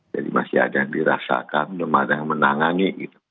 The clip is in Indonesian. jadi masih ada yang dirasakan ada yang menangani